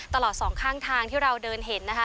ตลอดสองข้างทางที่เราเดินเห็นนะคะ